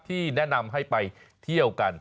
ที่แนะนำให้ไปเที่ยวกัน